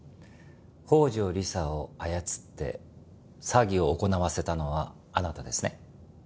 宝城理沙を操って詐欺を行わせたのはあなたですね？